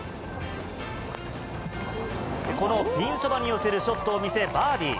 このピンそばに寄せるショットを見せ、バーディー。